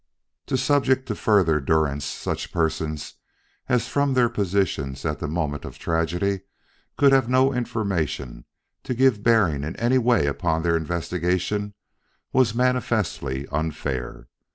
To subject to further durance such persons as from their position at the moment of tragedy could have no information to give bearing in any way upon their investigation was manifestly unfair.